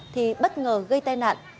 thì bất ngờ gây tai nạn